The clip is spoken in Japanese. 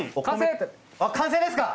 完成ですか？